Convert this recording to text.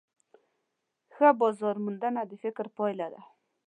ښه بازارموندنه د فکر پایله ده.